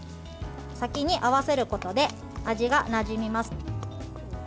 先に合わせることで味がなじみます。